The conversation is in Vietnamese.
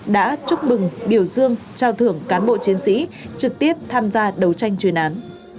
đã chúc mừng biểu dương trao thưởng cán bộ chiến sĩ trực tiếp tham gia đấu tranh chuyên án